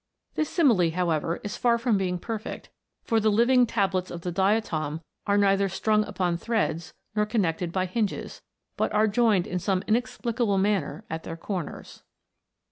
This simile, however, is far from being perfect; for the living tablets of the diatom are neither strung upon threads, nor connected by hinges, but are joined in some inexplicable manner at their corners.